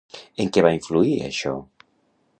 En què va influir això?